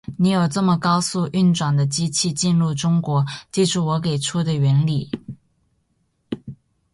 你有这么高速运转的机械进入中国，记住我给出的原理。